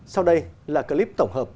sau đây là clip tổng hợp